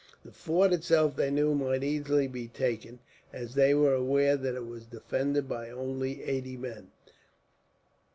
The fort itself, they knew, might easily be taken, as they were aware that it was defended by only eighty men.